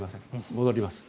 戻ります。